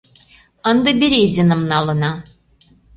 Ынде Березиным налына.